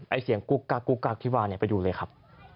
เสียงกุ๊กกักกุ๊กกักที่ว่าไปดูเลยครับ